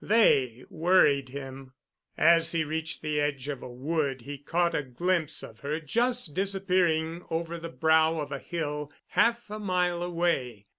They worried him. As he reached the edge of a wood he caught a glimpse of her just disappearing over the brow of a hill, half a mile away.